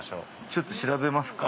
◆ちょっと調べますか。